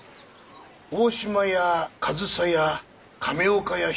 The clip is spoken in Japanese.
大島屋上総屋亀岡屋